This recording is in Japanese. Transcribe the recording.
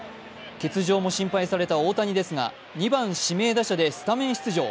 欠場も心配された大谷ですが、２番・指名打者でスタメン出場。